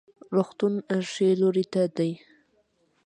روغتون ښي لوري ته دی